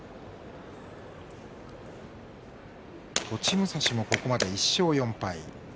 栃武蔵もここまで１勝４敗。